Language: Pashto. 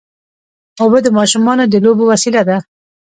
اوبه د ماشومانو د لوبو وسیله ده.